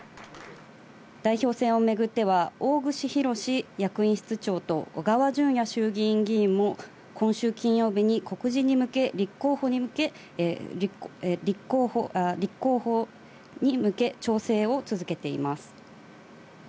代表選をめぐっては大串博志役員室長と小川淳也衆議院議員も今週金曜日の告示に向け、立候補を調整しています。